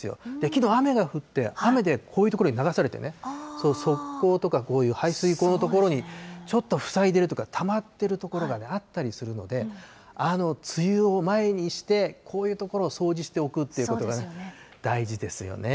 きのう、雨が降って、雨でこういう所に流されてね、側溝とかこういう排水溝の所にちょっと塞いでるというか、たまってる所があったりするので、梅雨を前にして、こういう所を掃除しておくということがね、大事ですよね。